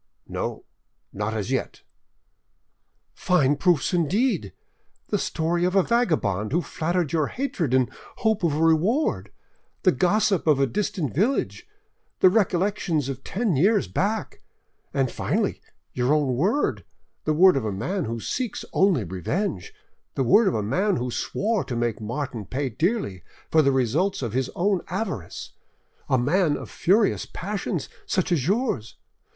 "No, not as yet." "Fine proofs indeed! The story of a vagabond who flattered your hatred in hope of a reward, the gossip of a distant village, the recollections of ten years back, and finally, your own word, the word of a man who seeks only revenge, the word of a man who swore to make Martin pay dearly for the results of his own avarice, a man of furious passions such as yours!